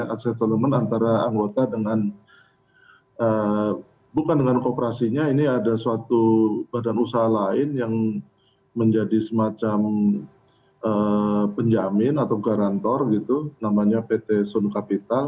akses sellement antara anggota dengan bukan dengan kooperasinya ini ada suatu badan usaha lain yang menjadi semacam penjamin atau garantor gitu namanya pt sun capital